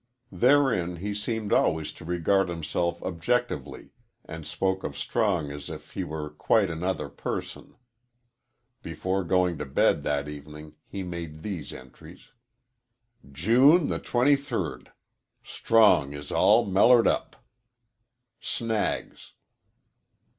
Therein he seemed always to regard himself objectively and spoke of Strong as if he were quite another person. Before going to bed that evening he made these entries: _"June the 23. Strong is all mellered up. "Snags."